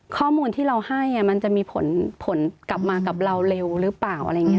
ข้อมูลที่เราให้มันจะมีผลกลับมากับเราเร็วหรือเปล่าอะไรอย่างนี้